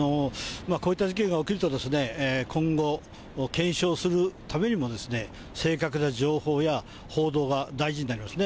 こういった事件が起きると、今後、検証するためにも、正確な情報や報道が大事になりますね。